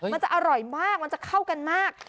มันจะอร่อยมากมันจะเข้ากันมาก